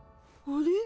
あれ？